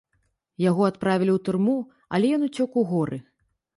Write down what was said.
Яго адправілі ў турму, але ён уцёк у горы.